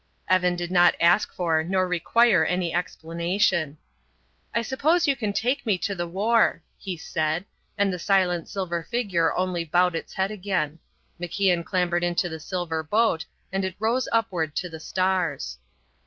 Evan did not ask for or require any explanation. "I suppose you can take me to the war," he said, and the silent silver figure only bowed its head again. MacIan clambered into the silver boat, and it rose upward to the stars.